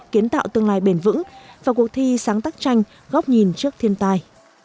kiến tạo tương lai bền vững và cuộc thi sáng tác tranh góc nhìn trước thiên tai